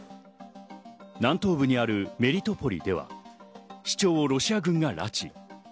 南東部にあるメリトポリでは市長はロシア軍が拉致。